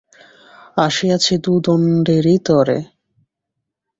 আসিয়াছি দুদণ্ডেরি তরে।